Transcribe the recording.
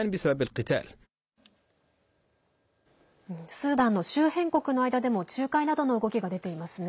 スーダンの周辺国の間でも仲介などの動きが出ていますね。